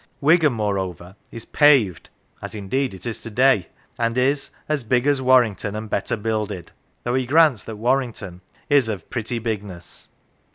Wigan, moreover, is " paved " (as indeed it is to day !) and is " as big as Warrington and better builded," though he grants that Warrington is " of a pretty bigness."